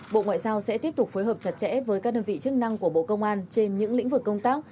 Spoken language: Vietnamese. bộ ngoại giao sẽ tiếp tục phối hợp chặt chẽ với các đơn vị chức năng của bộ công an trên những lĩnh vực công tác